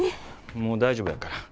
もう大丈夫やから。